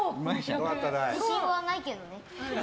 自信はないけどね。